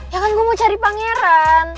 ya kan gue mau cari pangeran